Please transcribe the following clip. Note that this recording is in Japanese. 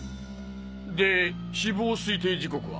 で死亡推定時刻は？